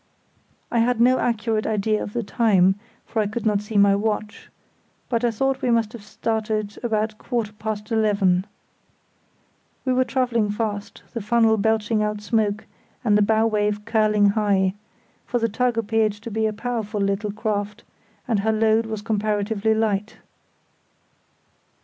I had no accurate idea of the time, for I could not see my watch, but I thought we must have started about a quarter past eleven. We were travelling fast, the funnel belching out smoke and the bow wave curling high; for the tug appeared to be a powerful little craft, and her load was comparatively light.